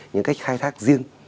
những cách khai thác riêng